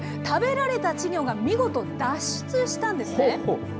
食べられた稚魚が見事、脱出したんですね。